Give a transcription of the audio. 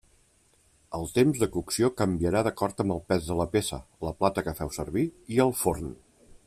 El temps de cocció canviarà d'acord amb el pes de la peça, la plata que feu servir i el forn.